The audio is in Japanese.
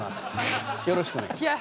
よろしくお願いします。